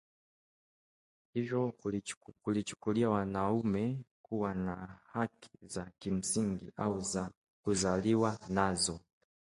hivyo kuwachukulia wanaume kuwa na haki za kimsingi au za kuzaliwa nazo